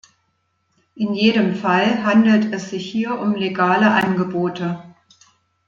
In jedem Fall handelt es sich hier um legale Angebote.